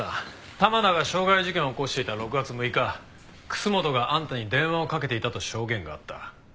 玉田が傷害事件を起こしていた６月６日楠本があんたに電話をかけていたと証言があった。